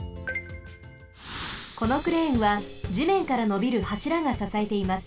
このクレーンはじめんからのびるはしらがささえています。